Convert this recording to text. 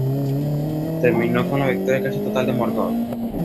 Terminó con la victoria casi total de Morgoth.